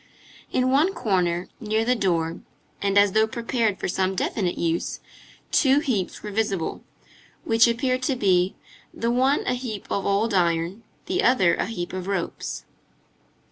In one corner, near the door, and as though prepared for some definite use, two heaps were visible, which appeared to be, the one a heap of old iron, the other a heap of ropes.